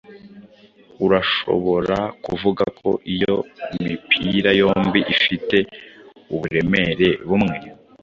Urashobora kuvuga ko iyo mipira yombi ifite uburemere bumwe.